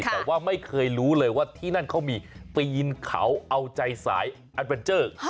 แต่ว่าไม่เคยรู้เลยว่าที่นั่นเขามีปีนเขาเอาใจสายอันเวนเจอร์